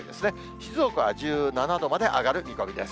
静岡は１７度まで上がる見込みです。